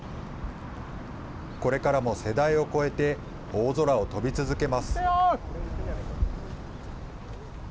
これからも世代を超えて、大空を飛び続けます。